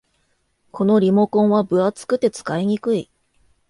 このリモコンは分厚くて使いにくい